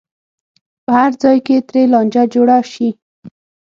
په هر ځای کې ترې لانجه جوړه شي.